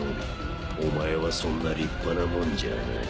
お前はそんな立派なもんじゃない。